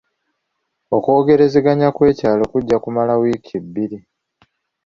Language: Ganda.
Okwogerezeganya kw'ekyalo kujja kumala wiiki bbiri.